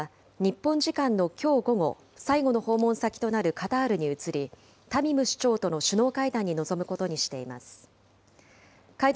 岸田総理大臣は、日本時間のきょう午後、最後の訪問先となるカタールに移り、タミム首長との首脳会談に臨むことにしています。